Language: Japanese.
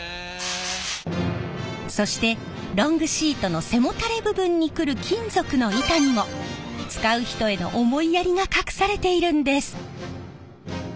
そしてロングシートの背もたれ部分にくる金属の板にも使う人への思いやりが隠されているんです。